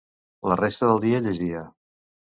La resta del dia llegia.